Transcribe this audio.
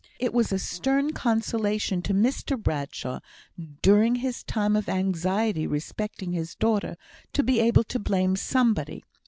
It was a stern consolation to Mr Bradshaw, during his time of anxiety respecting his daughter, to be able to blame somebody.